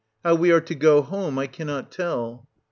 How we are to go home, I cannot tell.